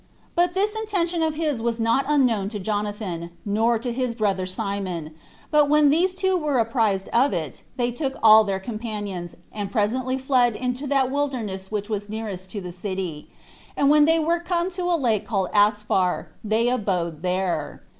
But this intention of his was not unknown to Jonathan, nor to his brother Simon; but when these two were apprized of it, they took all their companions, and presently fled into that wilderness which was nearest to the city; and when they were come to a lake called Asphar, they abode there.